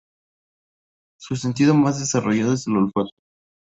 Su sentido más desarrollado es el olfato.